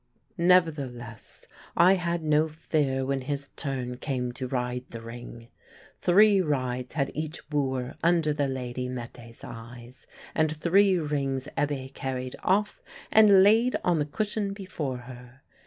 Nevertheless, I had no fear when his turn came to ride the ring. Three rides had each wooer under the lady Mette's eyes, and three rings Ebbe carried off and laid on the cushion before her.